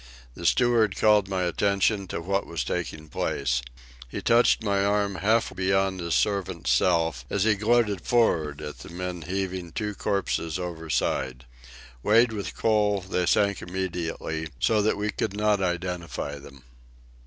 The steward called my attention to what was taking place. He touched my arm half beyond his servant's self, as he gloated for'ard at the men heaving two corpses overside. Weighted with coal, they sank immediately, so that we could not identify them.